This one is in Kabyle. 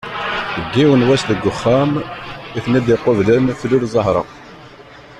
Deg yiwen n wass deg uxxam i ten-id-iqublen tlul Zahra.